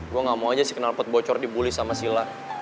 gue gak mau aja sih kenal pot bocor dibully sama silah